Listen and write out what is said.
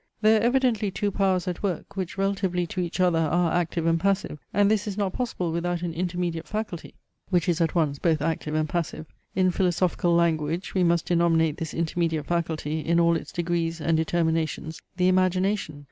There are evidently two powers at work, which relatively to each other are active and passive; and this is not possible without an intermediate faculty, which is at once both active and passive. In philosophical language, we must denominate this intermediate faculty in all its degrees and determinations, the IMAGINATION.